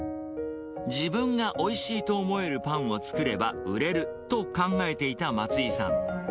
自分がおいしいと思えるパンを作れば売れると考えていた松井さん。